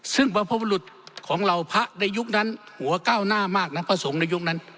ซึ่งบรรพบรุษของเหล่าพระในยุคนั้นหัวก้าวหน้ามากนะพระสงฆ์ในยุคนั้น